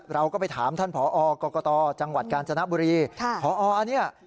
เราก็ไปถามท่านผอกรกฎจังหวัดกาญจนบุรี